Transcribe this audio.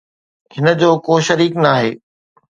هن جو ڪو شريڪ ناهي